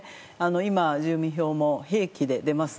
今、住民票も並記で出ます。